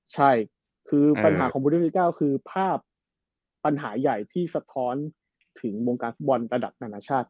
ใช่ปัญหาของปุ่นที่๑๙คือภาพปัญหาใหญ่ที่สะท้อนถึงวงการคุณบอลตระดับนานาชาติ